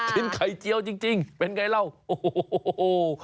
กินไข่เจียวจริงเป็นไงเราโอ้โห